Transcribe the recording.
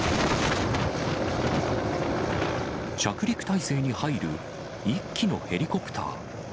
着陸態勢に入る１機のヘリコプター。